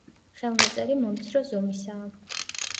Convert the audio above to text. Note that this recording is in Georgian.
ხელნაწერი მომცრო ზომისაა.